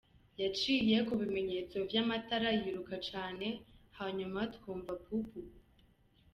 "Yaciye kubimenyetso vy'amatara yiruka cane hanyuma twumva pu, pu, pu.